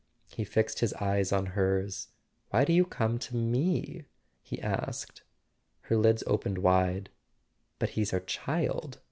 . He fixed his eyes on hers. "Why do you come to me?" he asked. Her lids opened wide. "But he's our child."